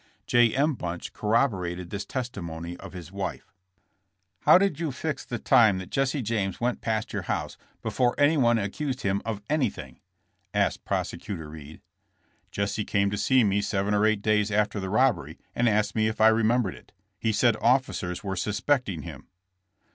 J. M. Bunch corroborated this testimony of his wife. *' How did you fix the time that Jesse James went past your house before anyone accused him of any thing?" asked Prosecutor Reed. *' Jesse came to see me seven or eight days after the robbery and asked me if I remembered it. He said officers were suspecting him."